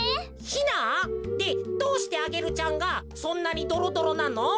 ヒナ？でどうしてアゲルちゃんがそんなにドロドロなの？